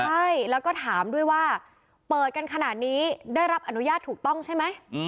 ใช่แล้วก็ถามด้วยว่าเปิดกันขนาดนี้ได้รับอนุญาตถูกต้องใช่ไหม